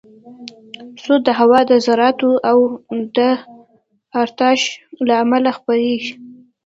صوت د هوا د ذراتو د ارتعاش له امله خپرېږي.